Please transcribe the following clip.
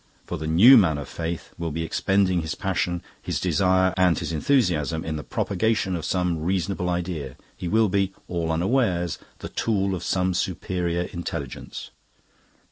For the new Man of Faith will be expending his passion, his desire, and his enthusiasm in the propagation of some reasonable idea. He will be, all unawares, the tool of some superior intelligence."